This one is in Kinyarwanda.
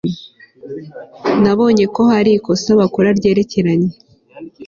Nabonye ko hari ikosa bakora ryerekeranye